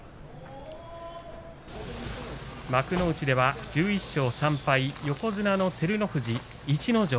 幕内では１１勝３敗横綱の照ノ富士、逸ノ城